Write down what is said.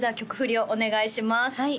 はい